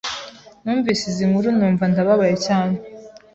Numvise izi nkuru numva ndababaye cyane,